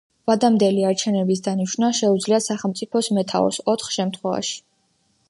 ვადამდელი არჩევნების დანიშვნა შეუძლია სახელმწიფოს მეთაურს ოთხ შემთხვევაში.